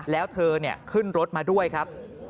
แล้วเธอขึ้นรถมาด้วยครับ